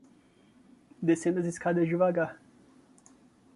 descendo as escadas devagar